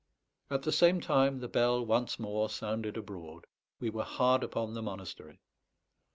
At the same time, the bell once more sounded abroad. We were hard upon the monastery.